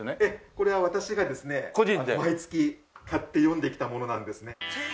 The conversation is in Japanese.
これは私がですね毎月買って読んできたものなんですね。